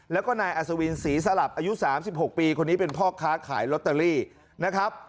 แล้วก็นายอัศวินศรีสลับอายุ๓๖ปีคนนี้เป็นพ่อค้าขายลอตเตอรี่นะครับ